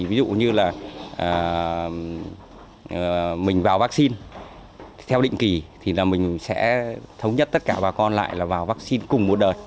ví dụ như là mình vào vaccine theo định kỳ thì mình sẽ thống nhất tất cả bà con lại là vào vaccine cùng một đợt